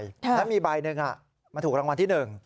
แล้วมีใบหนึ่งมันถูกรางวัลที่๑